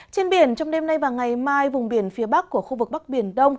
trên biển trong đêm nay và ngày mai vùng biển phía bắc của khu vực bắc biển đông